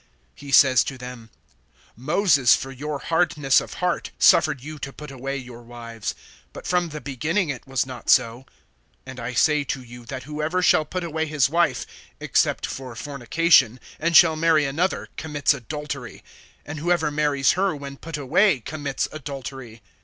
(8)He says to them: Moses, for your hardness of heart, suffered you to put away your wives; but from the beginning it was not so. (9)And I say to you, that whoever shall put away his wife, except for fornication, and shall marry another, commits adultery; and whoever marries her when put away, commits adultery.